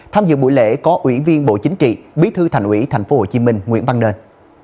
tham dự buổi lễ có ủy viên bộ chính trị bí thư thành ủy tp hcm nguyễn văn nền